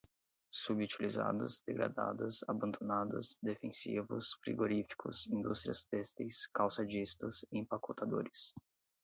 subutilizadas, degradadas, abandonadas, defensivos, frigoríficos, indústrias têxteis, calçadistas, empacotadores